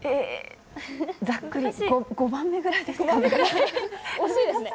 ざっくり、５番目ぐらいですかね？